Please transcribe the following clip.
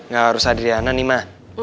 gak harus adriana nih mah